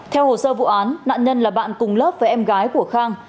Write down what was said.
theo hồ sơ vụ án nạn nhân là bạn cùng lớp với em gái của khang